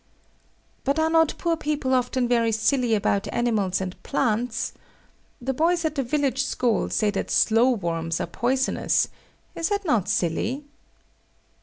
But are not poor people often very silly about animals and plants? The boys at the village school say that slowworms are poisonous; is not that silly?